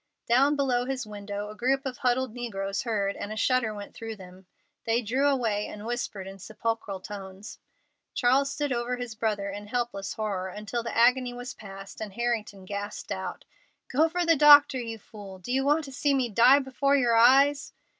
Down below his window a group of huddled negroes heard, and a shudder went through them. They drew away, and whispered in sepulchral tones. Charles stood over his brother in helpless horror until the agony was passed, and Harrington gasped out: "Go for the doctor, you fool! Do you want to see me die before your eyes?"